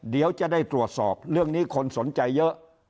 เดี๋ยวจะได้ตรวจสอบเรื่องนี้คนสนใจเยอะ